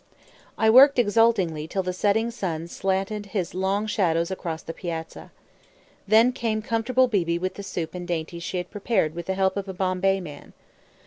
I worked exultingly till the setting sun slanted his long shadows across the piazza. Then came comfortable Beebe with the soup and dainties she had prepared with the help of a "Bombay man."